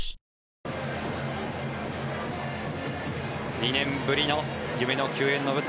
２年ぶりの夢の球宴の舞台